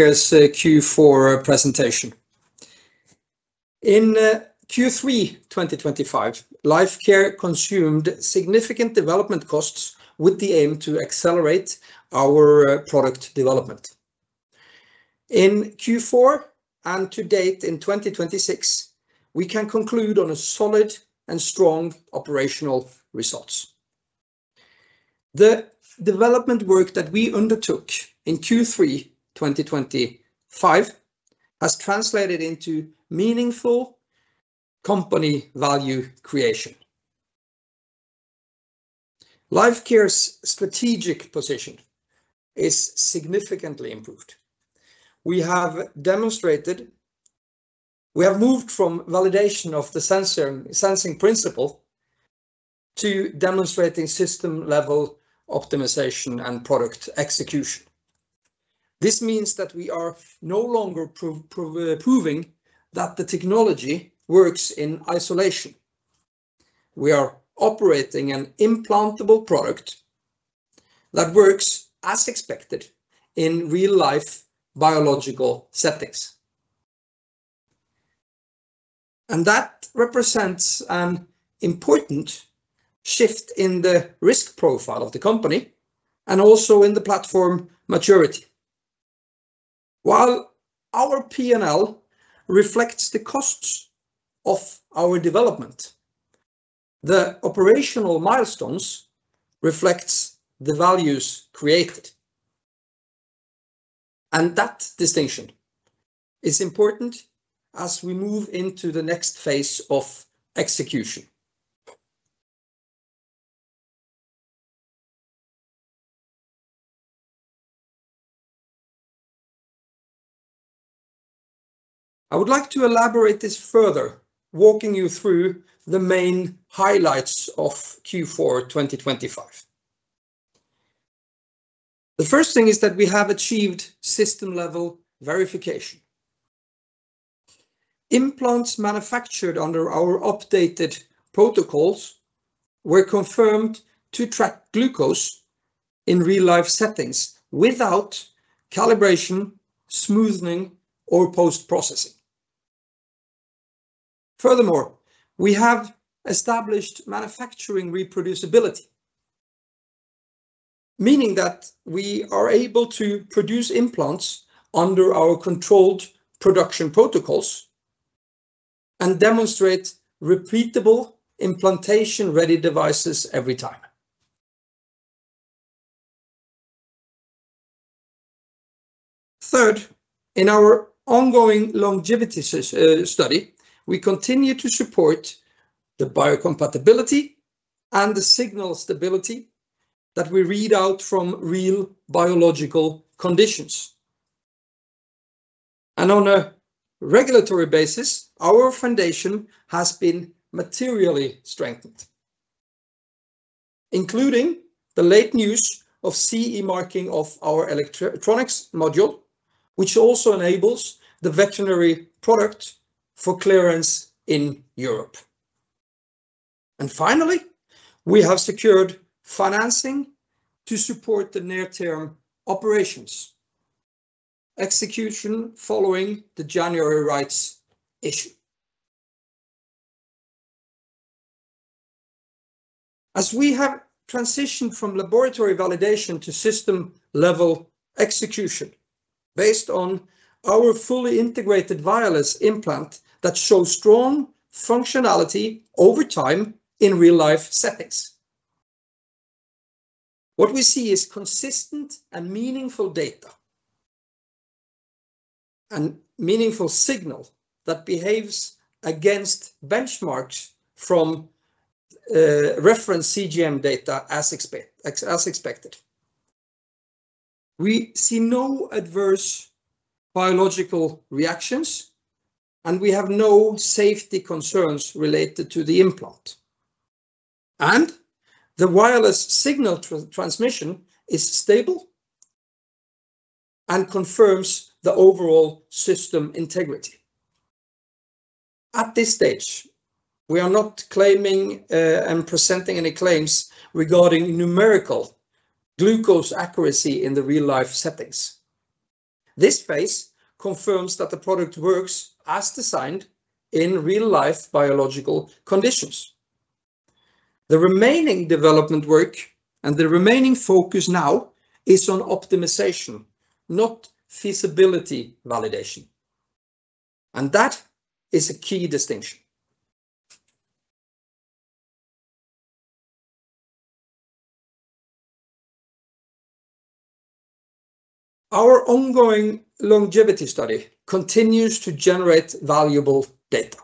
Here's the Q4 presentation. In Q3 2025, Lifecare consumed significant development costs with the aim to accelerate our product development. In Q4 and to date in 2026, we can conclude on a solid and strong operational results. The development work that we undertook in Q3 2025 has translated into meaningful company value creation. Lifecare's strategic position is significantly improved. We have demonstrated. We have moved from validation of the sensing principle to demonstrating system-level optimization and product execution. This means that we are no longer proving that the technology works in isolation. We are operating an implantable product that works as expected in real-life biological settings. That represents an important shift in the risk profile of the company and also in the platform maturity. While our P&L reflects the costs of our development, the operational milestones reflects the values created, that distinction is important as we move into the next phase of execution. I would like to elaborate this further, walking you through the main highlights of Q4 2025. The first thing is that we have achieved system-level verification. Implants manufactured under our updated protocols were confirmed to track glucose in real-life settings without calibration, smoothening, or post-processing. We have established manufacturing reproducibility, meaning that we are able to produce implants under our controlled production protocols and demonstrate repeatable implantation-ready devices every time. Third, in our ongoing longevity study, we continue to support the biocompatibility and the signal stability that we read out from real biological conditions. On a regulatory basis, our foundation has been materially strengthened, including the late news of CE marking of our electronics module, which also enables the veterinary product for clearance in Europe. Finally, we have secured financing to support the near-term operations execution following the January rights issue. As we have transitioned from laboratory validation to system-level execution based on our fully integrated wireless implant that shows strong functionality over time in real-life settings, what we see is consistent and meaningful data and meaningful signal that behaves against benchmarks from reference CGM data as expected. We see no adverse biological reactions, and we have no safety concerns related to the implant. The wireless signal transmission is stable and confirms the overall system integrity. At this stage, we are not claiming and presenting any claims regarding numerical glucose accuracy in the real-life settings. This phase confirms that the product works as designed in real-life biological conditions. The remaining development work and the remaining focus now is on optimization, not feasibility validation, and that is a key distinction. Our ongoing longevity study continues to generate valuable data.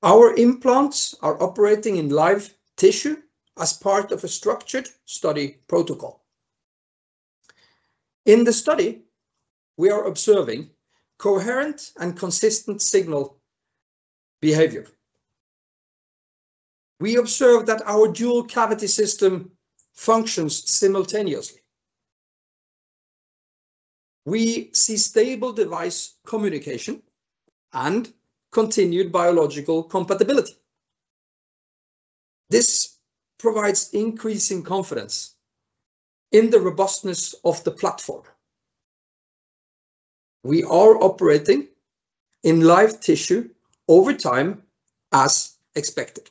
Our implants are operating in live tissue as part of a structured study protocol. In the study, we are observing coherent and consistent signal behavior. We observe that our dual-cavity system functions simultaneously. We see stable device communication and continued biological compatibility. This provides increasing confidence in the robustness of the platform. We are operating in live tissue over time as expected.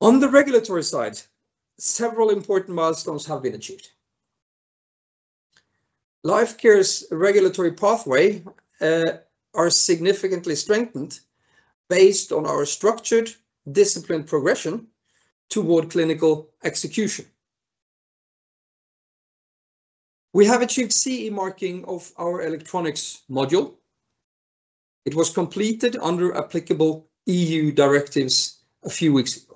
On the regulatory side, several important milestones have been achieved. Lifecare's regulatory pathway are significantly strengthened based on our structured disciplined progression toward clinical execution. We have achieved CE marking of our electronics module. It was completed under applicable EU directives a few weeks ago.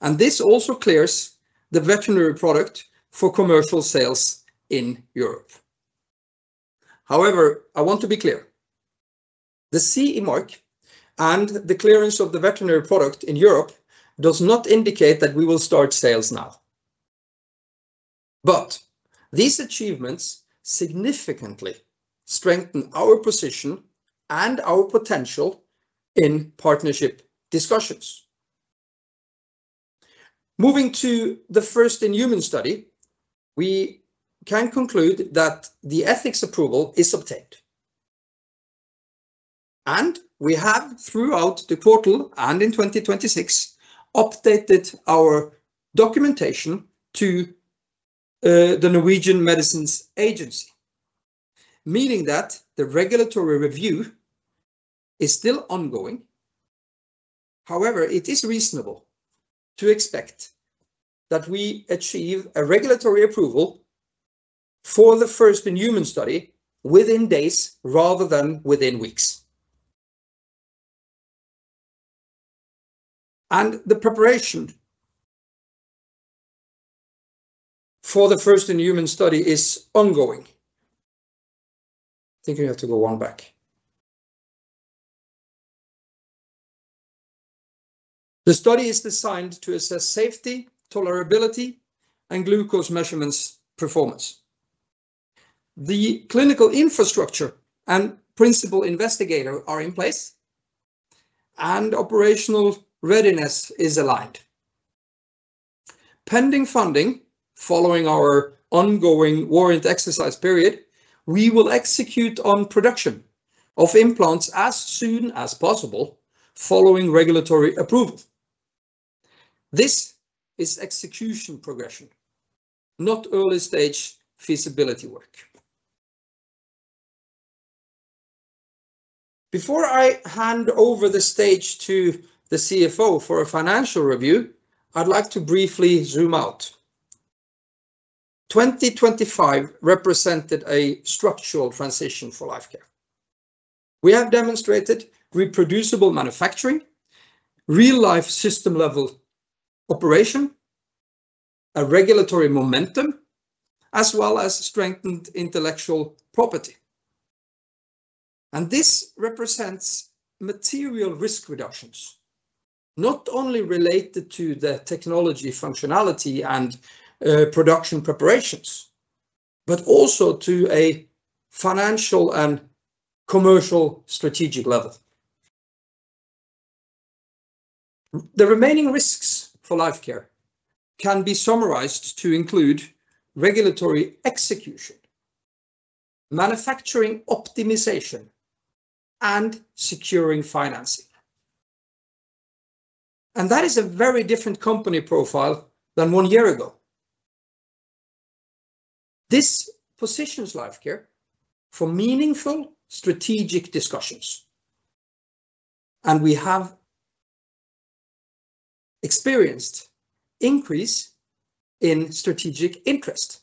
This also clears the veterinary product for commercial sales in Europe. I want to be clear. The CE mark and the clearance of the veterinary product in Europe does not indicate that we will start sales now. These achievements significantly strengthen our position and our potential in partnership discussions. Moving to the first-in-human study, we can conclude that the ethics approval is obtained. We have, throughout the quarter and in 2026, updated our documentation to the Norwegian Medicines Agency, meaning that the regulatory review is still ongoing. It is reasonable to expect that we achieve a regulatory approval for the first-in-human study within days rather than within weeks. The preparation for the first-in-human study is ongoing. Think we have to go one back. The study is designed to assess safety, tolerability, and glucose measurements performance. The clinical infrastructure and principal investigator are in place, and operational readiness is aligned. Pending funding following our ongoing warrant exercise period, we will execute on production of implants as soon as possible following regulatory approval. This is execution progression, not early-stage feasibility work. Before I hand over the stage to the CFO for a financial review, I'd like to briefly zoom out. 2025 represented a structural transition for Lifecare. We have demonstrated reproducible manufacturing, real-life system-level operation, a regulatory momentum, as well as strengthened intellectual property. This represents material risk reductions, not only related to the technology functionality and production preparations but also to a financial and commercial strategic level. The remaining risks for Lifecare can be summarized to include regulatory execution, manufacturing optimization, and securing financing, and that is a very different company profile than one year ago. This positions Lifecare for meaningful strategic discussions, and we have experienced increase in strategic interest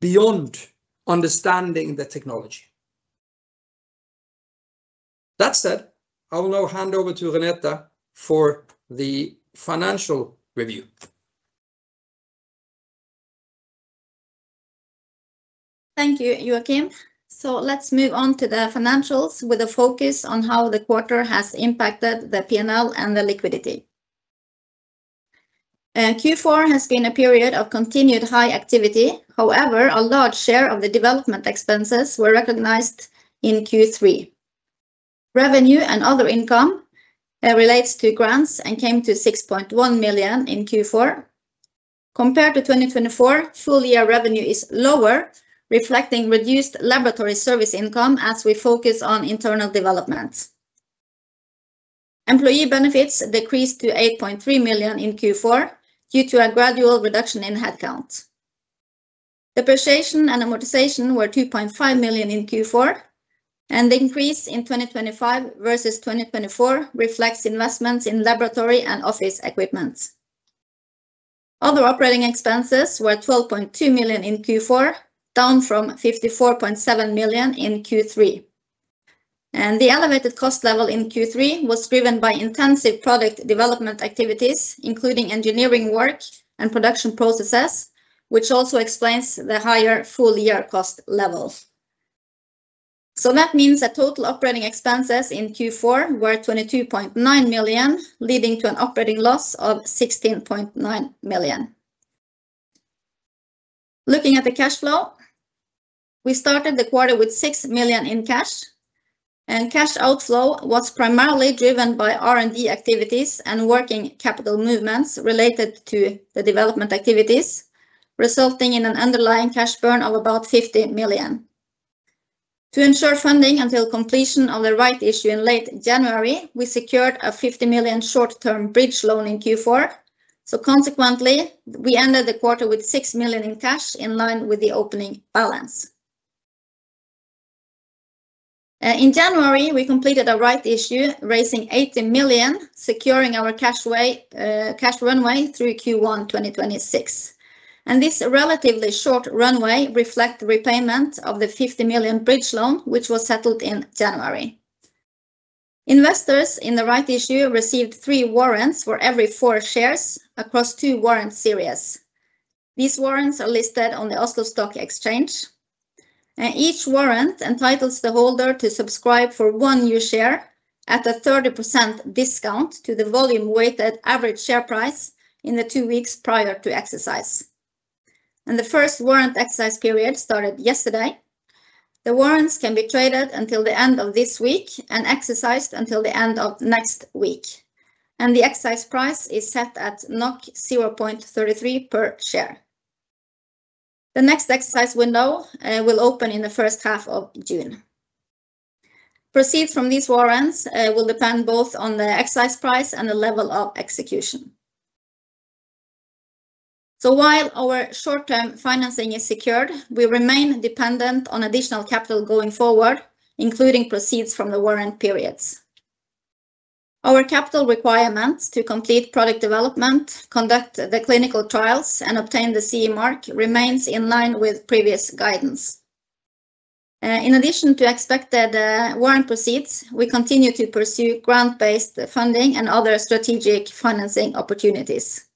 beyond understanding the technology. That said, I will now hand over to Renate for the financial review. Thank you, Joakim. Let's move on to the financials with a focus on how the quarter has impacted the P&L and the liquidity. Q4 has been a period of continued high activity. However, a large share of the development expenses were recognized in Q3. Revenue and other income relates to grants and came to 6.1 million in Q4. Compared to 2024, full year revenue is lower, reflecting reduced laboratory service income as we focus on internal development. Employee benefits decreased to 8.3 million in Q4 due to a gradual reduction in headcount. Depreciation and amortization were 2.5 million in Q4. The increase in 2025 versus 2024 reflects investments in laboratory and office equipment. Other operating expenses were 12.2 million in Q4, down from 54.7 million in Q3. The elevated cost level in Q3 was driven by intensive product development activities, including engineering work and production processes, which also explains the higher full year cost level. That means that total operating expenses in Q4 were 22.9 million, leading to an operating loss of 16.9 million. Looking at the cash flow, we started the quarter with 6 million in cash, and cash outflow was primarily driven by R&D activities and working capital movements related to the development activities, resulting in an underlying cash burn of about 50 million. To ensure funding until completion of the right issue in late January, we secured a 50 million short-term bridge loan in Q4. Consequently, we ended the quarter with 6 million in cash in line with the opening balance. In January, we completed a right issue raising 80 million, securing our cashway, cash runway through Q1 2026. This relatively short runway reflect repayment of the 50 million bridge loan which was settled in January. Investors in the right issue received three warrants for every four shares across two warrant series. These warrants are listed on the Oslo Stock Exchange. Each warrant entitles the holder to subscribe for one new share at a 30% discount to the volume-weighted average share price in the two weeks prior to exercise. The first warrant exercise period started yesterday. The warrants can be traded until the end of this week and exercised until the end of next week, and the exercise price is set at 0.33 per share. The next exercise window will open in the H1 of June. Proceed from these warrants will depend both on the exercise price and the level of execution. While our short-term financing is secured, we remain dependent on additional capital going forward, including proceeds from the warrant periods. Our capital requirements to complete product development, conduct the clinical trials, and obtain the CE mark remains in line with previous guidance. In addition to expected warrant proceeds, we continue to pursue grant-based funding and other strategic financing opportunities.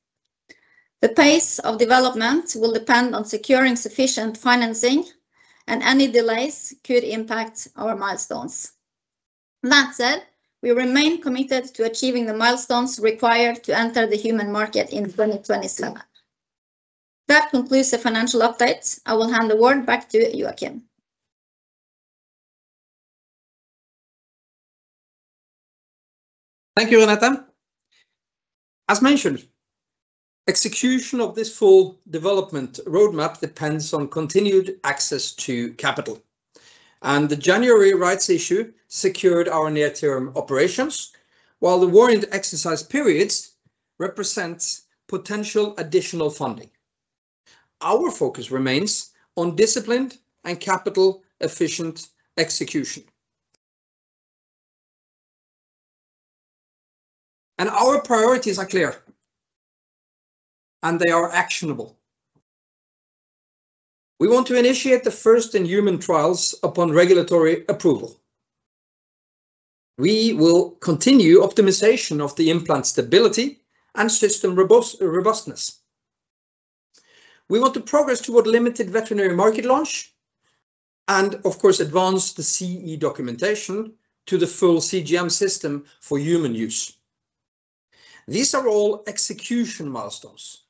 The pace of development will depend on securing sufficient financing, and any delays could impact our milestones. That said, we remain committed to achieving the milestones required to enter the human market in 2027. That concludes the financial update. I will hand the word back to Joakim. Thank you, Jonathan. As mentioned, execution of this full development roadmap depends on continued access to capital, the January rights issue secured our near-term operations, while the warrant exercise periods represents potential additional funding. Our focus remains on disciplined and capital-efficient execution. Our priorities are clear, and they are actionable. We want to initiate the first-in-human trials upon regulatory approval. We will continue optimization of the implant stability and system robustness. We want to progress toward limited veterinary market launch and, of course, advance the CE documentation to the full CGM system for human use. These are all execution milestones.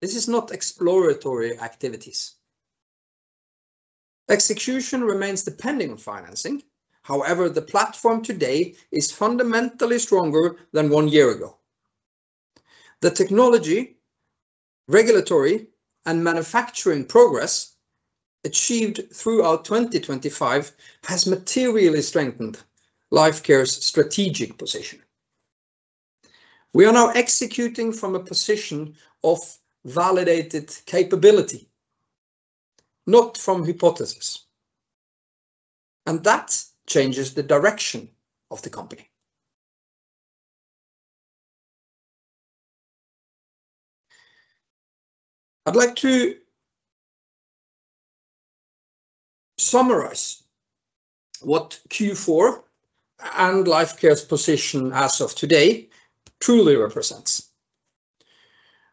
This is not exploratory activities. Execution remains depending on financing. However, the platform today is fundamentally stronger than one year ago. The technology, regulatory, and manufacturing progress achieved throughout 2025 has materially strengthened Lifecare's strategic position. We are now executing from a position of validated capability, not from hypothesis. That changes the direction of the company. I'd like to summarize what Q4 and Lifecare's position as of today truly represents.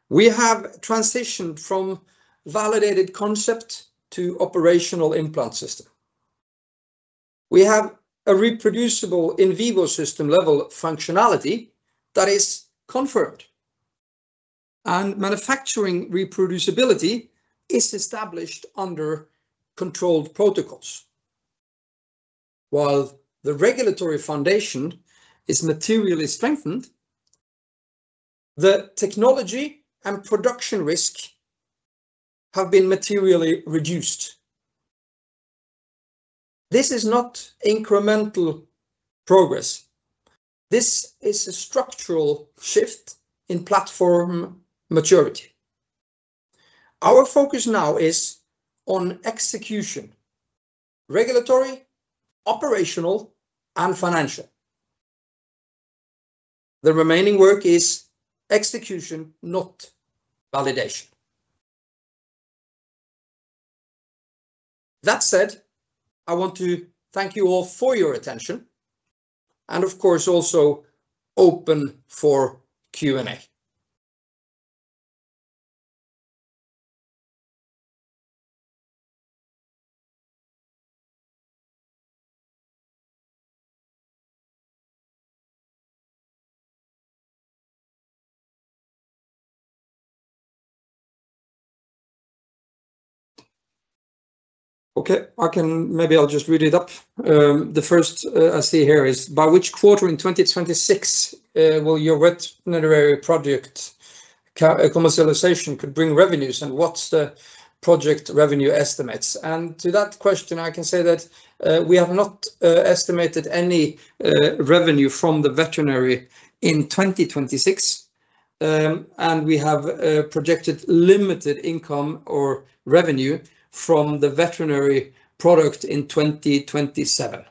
We have transitioned from validated concept to operational implant system. We have a reproducible in vivo system-level functionality that is confirmed. Manufacturing reproducibility is established under controlled protocols. While the regulatory foundation is materially strengthened, the technology and production risk have been materially reduced. This is not incremental progress. This is a structural shift in platform maturity. Our focus now is on execution, regulatory, operational, and financial. The remaining work is execution, not validation. That said, I want to thank you all for your attention and, of course, also open for Q&A. Okay. Maybe I'll just read it up. The first I see here is, "By which quarter in 2026 will your veterinary project co- commercialization could bring revenues and what's the project revenue estimates?" To that question, I can say that we have not estimated any revenue from the veterinary in 2026. We have projected limited income or revenue from the veterinary product in 2027.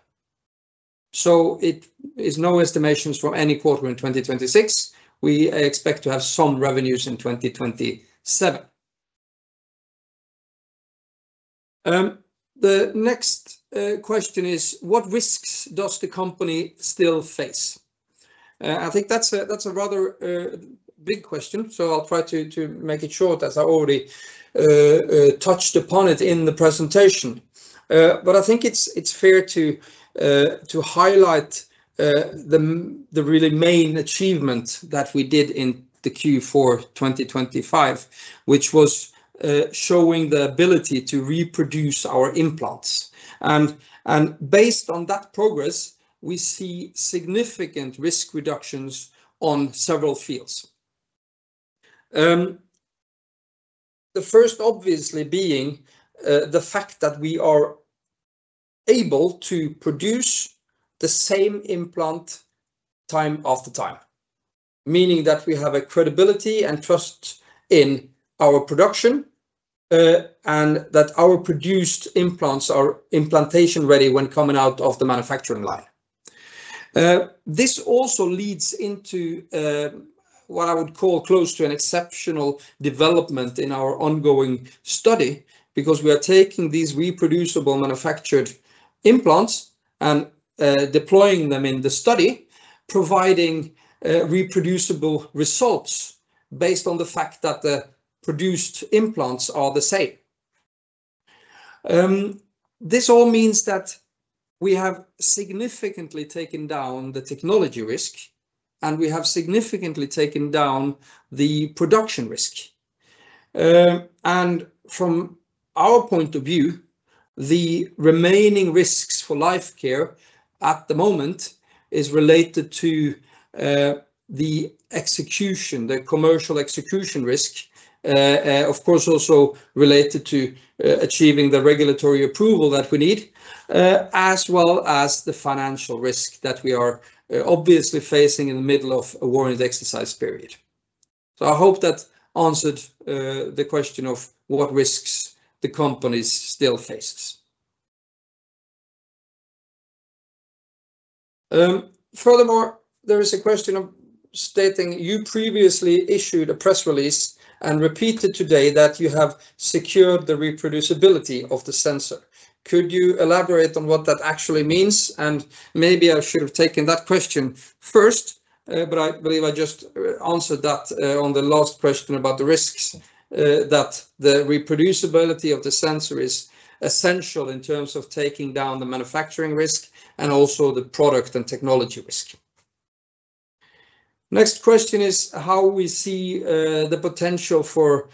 It is no estimations for any quarter in 2026. We expect to have some revenues in 2027. The next question is, "What risks does the company still face?" I think that's a rather big question, so I'll try to make it short as I already touched upon it in the presentation. But I think it's fair to highlight the really main achievement that we did in the Q4 2025, which was showing the ability to reproduce our implants. Based on that progress, we see significant risk reductions on several fields. The first obviously being the fact that we are able to produce the same implant time after time, meaning that we have a credibility and trust in our production, and that our produced implants are implantation-ready when coming out of the manufacturing line. This also leads into what I would call close to an exceptional development in our ongoing study because we are taking these reproducible manufactured implants and deploying them in the study, providing reproducible results based on the fact that the produced implants are the same. This all means that we have significantly taken down the technology risk, and we have significantly taken down the production risk. From our point of view, the remaining risks for Lifecare at the moment is related to the execution, the commercial execution risk, of course also related to achieving the regulatory approval that we need, as well as the financial risk that we are obviously facing in the middle of a warranted exercise period. I hope that answered the question of what risks the company still faces. Furthermore, there is a question of stating, "You previously issued a press release and repeated today that you have secured the reproducibility of the sensor. Could you elaborate on what that actually means?" Maybe I should have taken that question first, but I believe I just answered that on the last question about the risks, that the reproducibility of the sensor is essential in terms of taking down the manufacturing risk and also the product and technology risk. Next question is how we see the potential for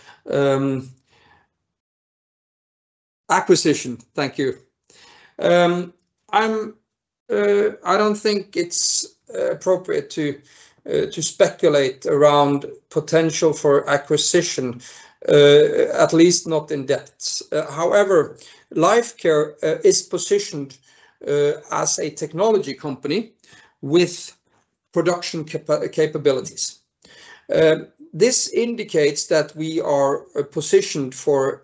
acquisition. Thank you. I don't think it's appropriate to speculate around potential for acquisition, at least not in depth. However, Lifecare is positioned as a technology company with production capabilities. This indicates that we are positioned for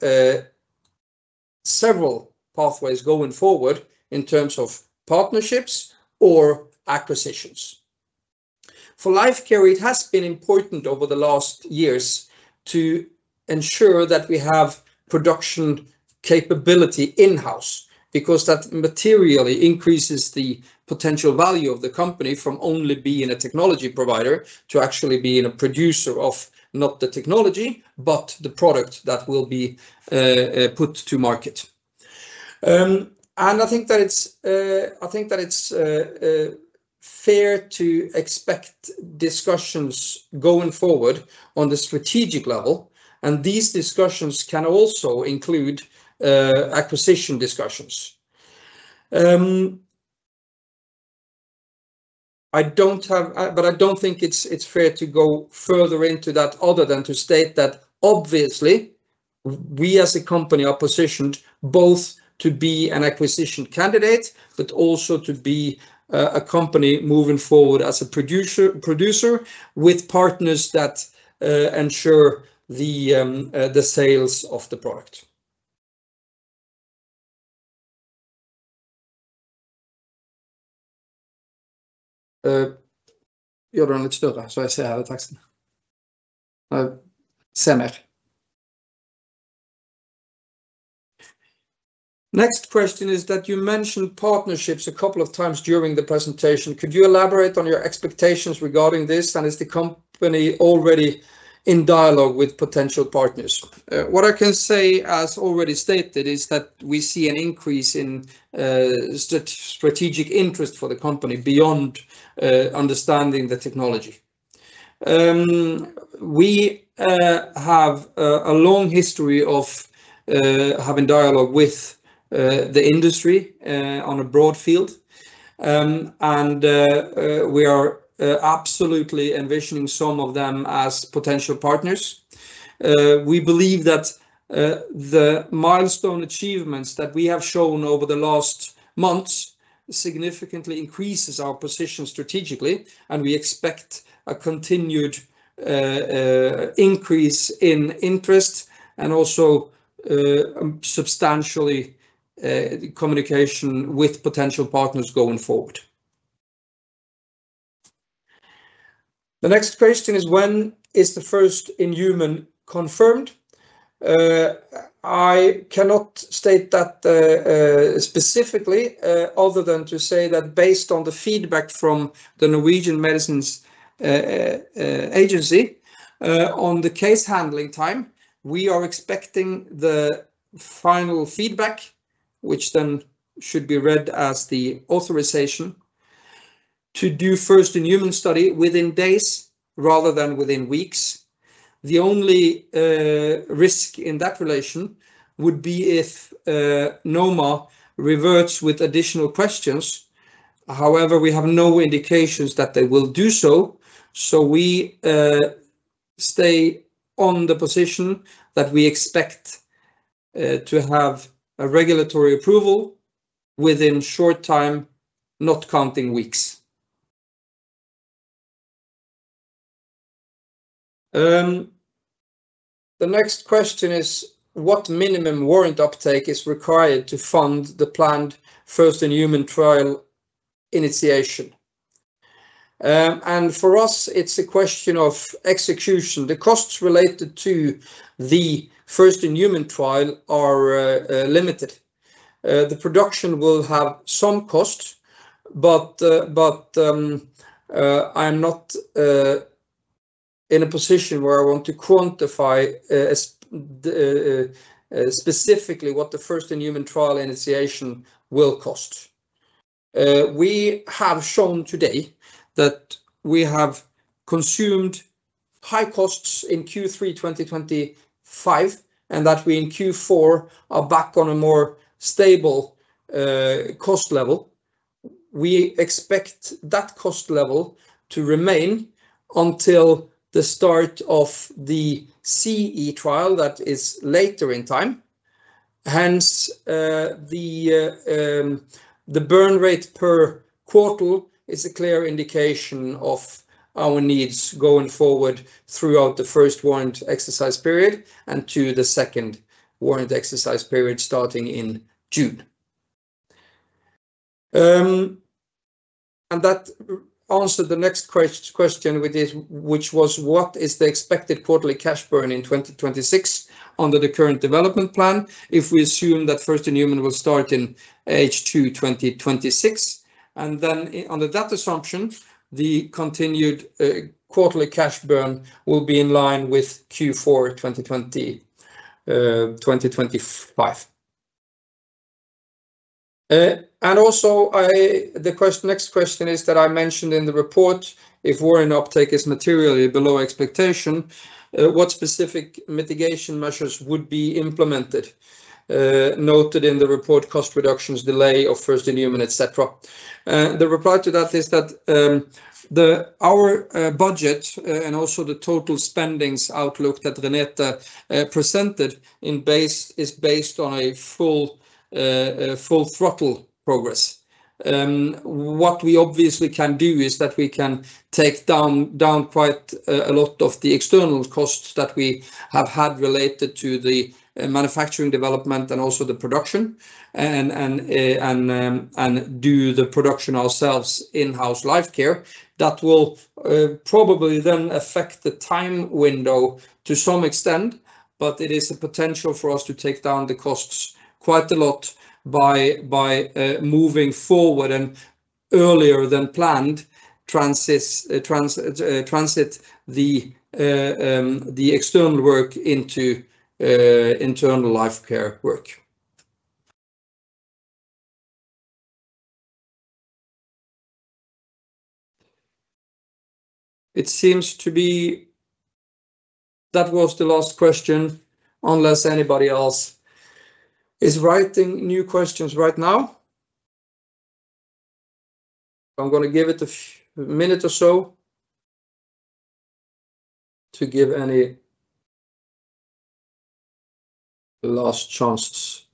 several pathways going forward in terms of partnerships or acquisitions. For Lifecare, it has been important over the last years to ensure that we have production capability in-house because that materially increases the potential value of the company from only being a technology provider to actually being a producer of, not the technology, but the product that will be put to market. I think that it's fair to expect discussions going forward on the strategic level, and these discussions can also include acquisition discussions. I don't have... I don't think it's fair to go further into that other than to state that obviously we as a company are positioned both to be an acquisition candidate, but also to be a company moving forward as a producer with partners that ensure the sales of the product. Gjør du den litt større, så jeg ser hele teksten. Se mer. Next question is that you mentioned partnerships a couple of times during the presentation. Could you elaborate on your expectations regarding this, and is the company already in dialogue with potential partners? What I can say, as already stated, is that we see an increase in strategic interest for the company beyond understanding the technology. We have a long history of having dialogue with the industry on a broad field. We are absolutely envisioning some of them as potential partners. We believe that the milestone achievements that we have shown over the last months significantly increases our position strategically, and we expect a continued increase in interest and also substantially communication with potential partners going forward. The next question is, when is the first-in-human confirmed? I cannot state that specifically, other than to say that based on the feedback from the Norwegian Medicines Agency, on the case handling time, we are expecting the final feedback, which then should be read as the authorization to do first-in-human study within days rather than within weeks. The only risk in that relation would be if NoMA reverts with additional questions. However, we have no indications that they will do so we stay on the position that we expect to have a regulatory approval within short time, not counting weeks. The next question is, what minimum warrant uptake is required to fund the planned first-in-human trial initiation? For us, it's a question of execution. The costs related to the first-in-human trial are limited. The production will have some cost, but I'm not in a position where I want to quantify specifically what the first-in-human trial initiation will cost. We have shown today that we have consumed high costs in Q3 2025, and that we in Q4 are back on a more stable cost level. We expect that cost level to remain until the start of the CE trial that is later in time. Hence, the burn rate per quarter is a clear indication of our needs going forward throughout the first warrant exercise period and to the second warrant exercise period starting in June. That answered the next question with this, which was, what is the expected quarterly cash burn in 2026 under the current development plan if we assume that first-in-human will start in H2 2026? Under that assumption, the continued quarterly cash burn will be in line with Q4 2025. Also I the next question is that I mentioned in the report, if warrant uptake is materially below expectation, what specific mitigation measures would be implemented? Noted in the report, cost reductions, delay of first-in-human, etcetera. The reply to that is that our budget and also the total spendings outlook that Renete presented in base is based on a full full throttle progress. What we obviously can do is that we can take down quite a lot of the external costs that we have had related to the manufacturing development and also the production and do the production ourselves in-house Lifecare. That will probably then affect the time window to some extent, but it is a potential for us to take down the costs quite a lot by moving forward and earlier than planned transit the external work into internal Lifecare work. It seems to be that was the last question, unless anybody else is writing new questions right now. I'm gonna give it a minute or so to give any last chances.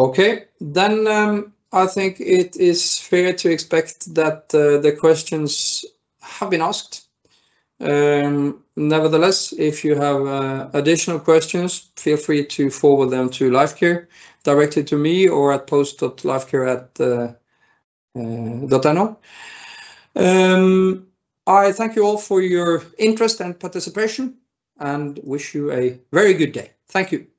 Okay. I think it is fair to expect that the questions have been asked. Nevertheless, if you have additional questions, feel free to forward them to Lifecare, directly to me, or at post@lifecare.no. I thank you all for your interest and participation, and wish you a very good day. Thank you.